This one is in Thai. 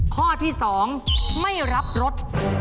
ข้อที่๒ไม่รับรถ